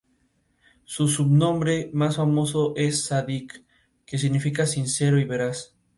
Su sobrenombre más famoso es Sadiq, que significa sincero y veraz.